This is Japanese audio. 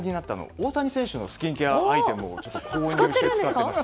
大谷選手のスキンケアアイテムを購入して使っています。